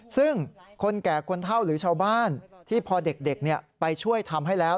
ซึ่งคนแก่คนเท่าหรือชาวบ้านที่พอเด็กไปช่วยทำให้แล้ว